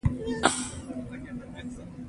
هغه په خپل لټون کې ډېر جدي معلومېده.